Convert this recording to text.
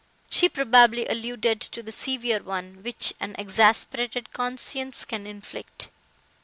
She probably alluded to the severe one, which an exasperated conscience can inflict.